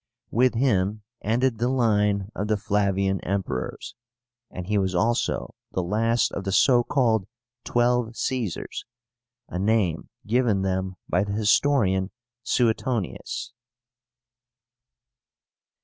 With him ended the line of the FLAVIAN EMPERORS, and he was also the last of the so called TWELVE CAESARS, a name given them by the historian Suetonius.